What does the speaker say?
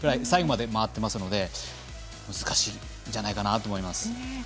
最後まで回ってますので難しいんじゃないかなと思います。